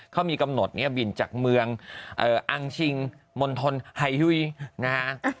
เขามีกำหนดเนี่ยบินจากเมืองอังชิงมณฑลไฮยุ้ยนะฮะ